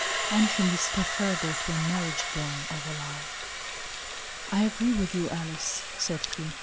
Anything is preferable to a marriage born of a lie." " I agree with you, Alice," said he.